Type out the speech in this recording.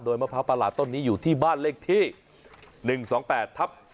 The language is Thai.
มะพร้าประหลาดต้นนี้อยู่ที่บ้านเลขที่๑๒๘ทับ๔